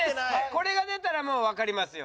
これが出たらもうわかりますよ。